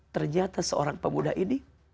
ternyata seorang pemuda ini